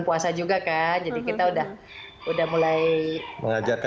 belum puasa juga kan jadi kita udah mulai mengajarkan